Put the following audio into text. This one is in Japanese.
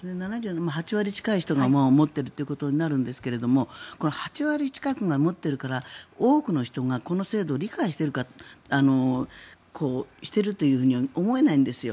８割近い人がもう持ってるということになるんですが８割近くが持っているから多くの人がこの制度を理解しているとは思えないんですよ。